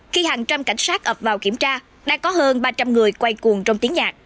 khi hàng trăm cảnh sát ập vào kiểm tra đang có hơn ba trăm linh người quay cuồng trong tiếng nhạc